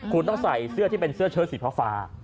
คุณต้องใส่เสื้อที่เป็นเสื้อเชื้อศีรษฐ์สีฟ้าฟ้า